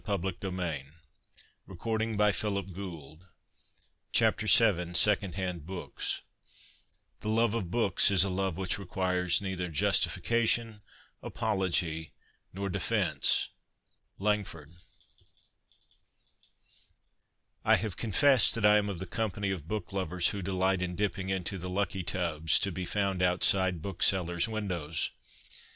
VII SECOND HAND BOOKS VII SECOND HAND BOOKS The love of books is a love which requires neither justification, apology, nor defence. — Langford. I have confessed that I am of the company of book lovers who delight in dipping into the ' lucky tubs ' to be found outside booksellers' windows.